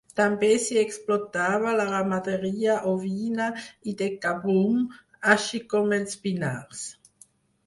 També s'hi explotava la ramaderia ovina i de cabrum, així com els pinars.